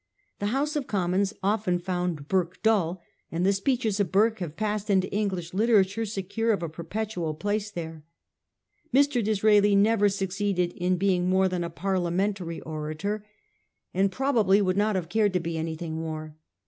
The House of Com mons often found Burke dull, and the speeches of Burke have passed into English literature secure of a perpetual place there. Mr. Disraeli never succeeded in being more than a Parliamentary orator, and pro 1846. 'OF A FALLEN PARTY.' 395 bably would not have cared to be anything more.